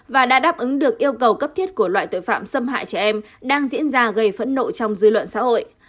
và đã đáp ứng được yêu cầu cấp thiết của loại tội phạm xâm hại trẻ em đang diễn ra gây phẫn nộ trong dư luận xã hội